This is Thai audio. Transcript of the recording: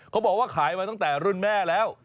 เขาบอกว่าขายมาตั้งแต่รุ่นแม่แล้ว